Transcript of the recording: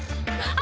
あ。